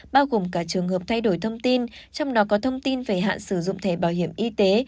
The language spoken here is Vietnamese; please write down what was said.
bao gồm cả trường hợp thay đổi thông tin trong đó có thông tin về hạn sử dụng thẻ bảo hiểm y tế